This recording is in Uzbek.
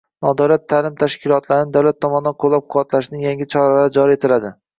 Nodavlat ta'lim tashkilotlarini davlat tomonidan qo‘llab-quvvatlashning yangi choralari joriy etiladi